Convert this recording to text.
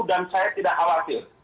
dan saya tidak khawatir